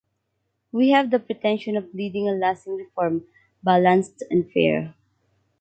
We have the pretention of leading a lasting reform, balanced and fair.